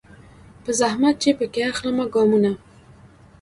په زحمت چي پکښي اخلمه ګامونه